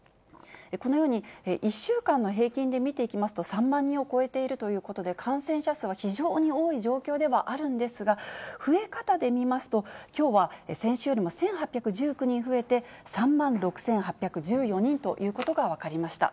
このように、１週間の平均で見ていきますと、３万人を超えているということで、感染者数は非常に多い状況ではあるんですが、増え方で見ますと、きょうは先週よりも１８１９人増えて、３万６８１４人ということが分かりました。